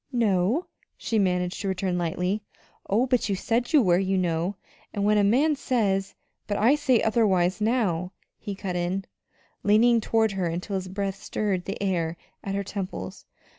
"No?" she managed to return lightly. "Oh, but you said you were, you know; and when a man says " "But I say otherwise now," he cut in, leaning toward her until his breath stirred the hair at her temples.